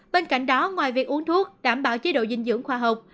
bên cạnh đó ngoài việc uống thuốc đảm bảo chế độ dinh dưỡng khoa học